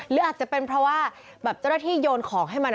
หรืออาจจะเป็นเพราะว่าแบบเจ้าหน้าที่โยนของให้มัน